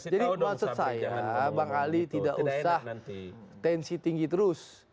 jadi maksud saya bang ali tidak usah tensi tinggi terus